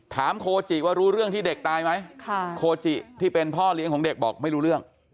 โคจิว่ารู้เรื่องที่เด็กตายไหมโคจิที่เป็นพ่อเลี้ยงของเด็กบอกไม่รู้เรื่อง